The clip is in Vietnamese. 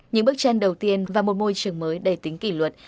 những bức tranh đầu tiên và một môi trường mới đầy tính kỷ luật